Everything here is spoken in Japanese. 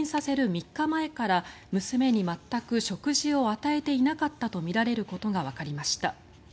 ３日前から娘に全く食事を与えていなかったとみられることがわかりました。